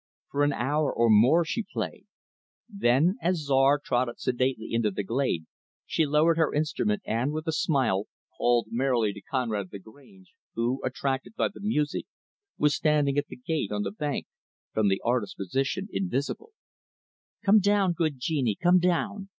For an hour or more she played. Then, as Czar trotted sedately into the glade, she lowered her instrument and, with a smile, called merrily to Conrad Lagrange who, attracted by the music, was standing at the gate on the bank from the artist's position invisible; "Come down, good genie, come down!